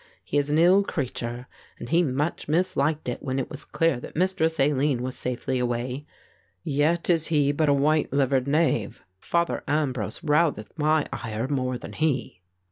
He is an ill creature, and he much misliked it when it was clear that Mistress Aline was safely away. Yet is he but a white livered knave. Father Ambrose rouseth my ire more than he."